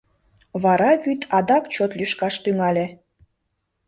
Вара вӱд адак чот лӱшкаш тӱҥале...